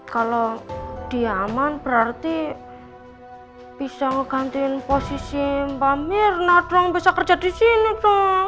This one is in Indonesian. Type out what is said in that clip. kalau dia aman berarti bisa ngegantiin posisi mbak mirna dong bisa kerja di sini dong